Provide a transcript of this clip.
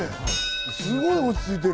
すごい落ち着いてる。